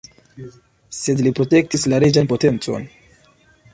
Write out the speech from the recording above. Sed li protektis la reĝan potencon.